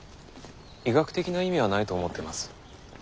医学的な意味はないと思ってます。